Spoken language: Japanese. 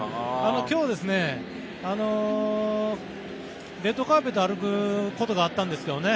今日、レッドカーペットを歩くことがあったんですよね。